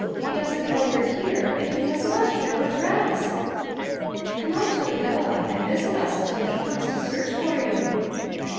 He doesn't know we're here and he has left no address.' 'Come out to the villa and visit us till he comes to search for you.'